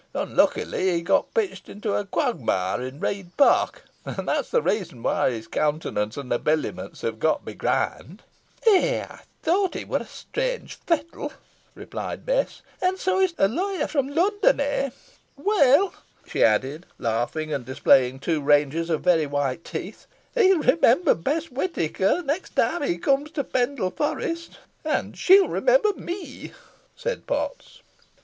Unluckily, he got pitched into a quagmire in Read Park, and that is the reason why his countenance and habiliments have got begrimed." "Eigh! ey thowt he wur i' a strawnge fettle," replied Bess; "an so he be a lawyer fro' Lunnon, eh? Weel," she added, laughing, and displaying two ranges of very white teeth, "he'll remember Bess Whitaker, t' next time he comes to Pendle Forest." "And she'll remember me," rejoined Potts.